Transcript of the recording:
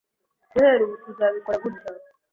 Guhera ubu, tuzabikora gutya.